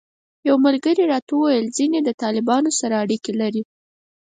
یو ملګري راته وویل ځینې د طالبانو سره اړیکې لري.